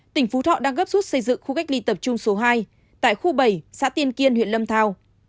tỉnh phú thọ đang gấp rút xây dựng khu cách ly tập trung số hai tại khu bảy xã tiên kiên huyện lâm thao